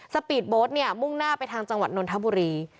สปีดโบ๊ทเนี่ยมุ่งหน้าไปทางจังหวัดนนทบุรี